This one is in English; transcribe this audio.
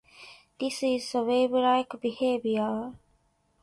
This is the wave-like behavior.